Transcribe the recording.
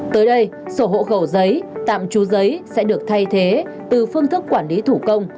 tới đây sổ hộ khẩu giấy tạm trú giấy sẽ được thay thế từ phương thức quản lý thủ công